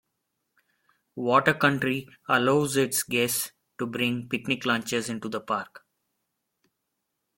Water Country allows its guests to bring picnic lunches into the park.